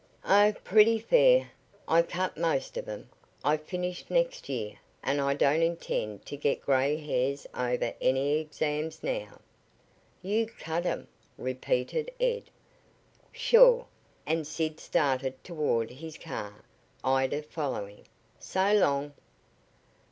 "Oh, pretty fair. I cut most of 'em. I finish next year, and I don't intend to get gray hairs over any exams now." "You cut 'em?" repeated Ed. "Sure," and Sid started toward his car, Ida following. "So long."